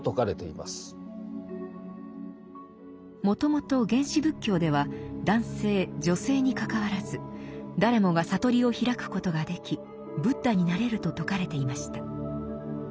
もともと原始仏教では男性女性にかかわらず誰もが覚りを開くことができ仏陀になれると説かれていました。